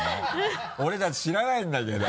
俺たち知らないんだけども。